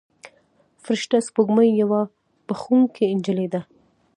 فرشته سپوږمۍ یوه بښونکې نجلۍ ده.